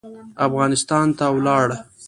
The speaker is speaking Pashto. افغانستان ته ولاړ.